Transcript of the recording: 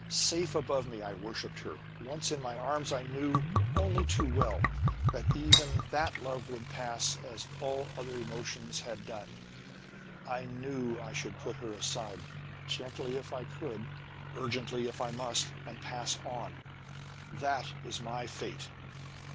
Safe above me I worshipped her. Once in my arms, I knew, only too well, that even that love would pass as all other emotions had done. I knew I should put her aside, gently if I could, urgently, if I must, and pass on. That is my Fate!